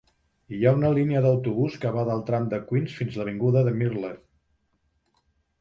Hi ha una la línia d'autobús que va del tram de Queens fins l'avinguda de Myrtle.